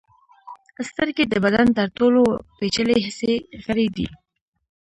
سترګې د بدن تر ټولو پیچلي حسي غړي دي.